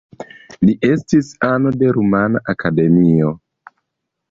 Li estis ano de Rumana Akademio.